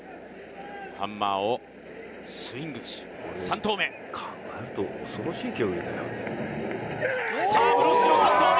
ハンマーをスイングし３投目うわー！